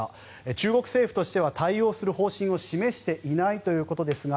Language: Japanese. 中国政府としては対応する方針を示していないということですが